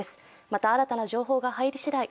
また新たな情報が入りしだい